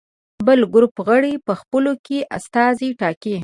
بل ګروپ غړي په خپلو کې استازي ټاکي.